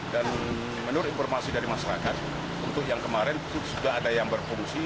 dan menurut informasi dari masyarakat untuk yang kemarin itu sudah ada yang berfungsi